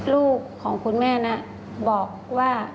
ลูกของคุณแม่นะบอกว่า